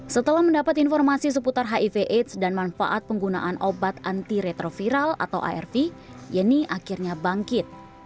setelah mendapat informasi seputar hiv aids dan manfaat penggunaan obat anti retroviral atau arv yeni akhirnya bangkit